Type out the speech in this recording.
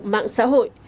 mạng xã hội